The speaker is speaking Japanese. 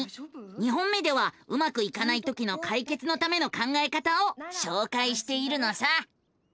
２本目ではうまくいかないときの解決のための考えた方をしょうかいしているのさ。